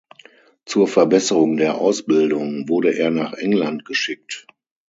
Zur Verbesserung der Ausbildung wurde er nach England geschickt.